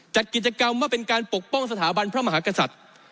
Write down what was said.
จัดกิจกรรมว่าเป็นการปกป้องสถาบันพระมหากษัตริย์